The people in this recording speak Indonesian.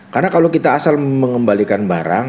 karena kalau kita asal mengembalikan